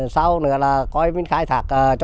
sau nữa là coi mình khai thác